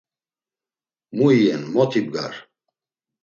Mu iyen mot ibgar.